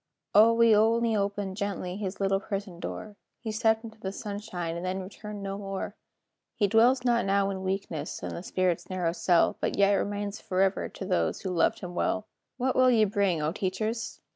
"O, we only opened gently His little prison door; He stepped into the sunshine, And then returned no more. He dwells not now in weakness, In the spirit's narrow cell, But yet remains forever To those who loved him well." What will ye bring, O teachers!